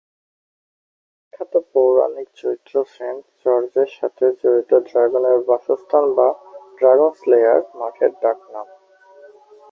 বিখ্যাত পৌরাণিক চরিত্র সেন্ট জর্জের সাথে জড়িত ড্রাগনের বাসস্থান বা "ড্রাগন’স লেয়ার" মাঠের ডাকনাম।